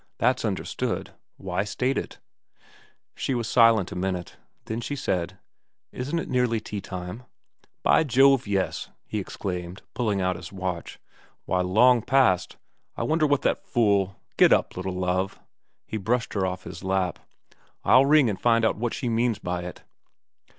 ' That's understood. Why state it ?' She was silent a minute. Then she said, ' Isn't it nearly tea time ?'' By Jove, yes,' he exclaimed, pulling out his watch. ' Why, long past. I wonder what that fool get up, little Love ' he brushed her off his lap' I'll ring and find out what she means by it.'